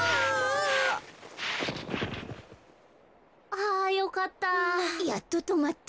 あよかった。